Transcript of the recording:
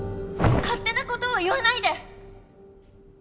勝手な事を言わないで！